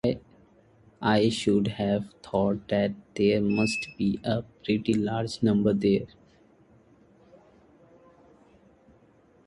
I should have thought that there must be a pretty large number there.